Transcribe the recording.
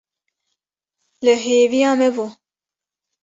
Li hêviya me bû.